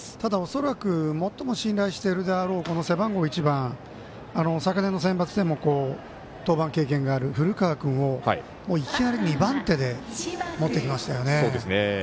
ただ、恐らく最も信頼しているだろう背番号１番昨年のセンバツでも経験のある古川君をいきなり２番手で持ってきましたよね。